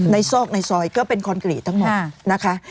ซอกในซอยก็เป็นคอนกรีตทั้งหมดนะคะ